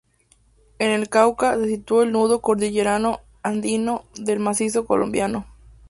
En el Cauca se sitúa el nudo cordillerano andino del Macizo Colombiano.